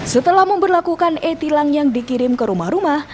setelah memperlakukan e tilang yang dikirim ke rumah rumah